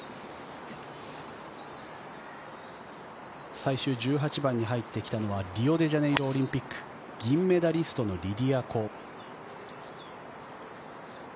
最終１８番に入ってきたのはリオデジャネイロオリンピック銀メダリストのリディア・コ。